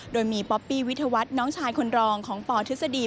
โดยมีป๊อปปี้วิทยาวัฒน์น้องชายคนรองของปทฤษฎี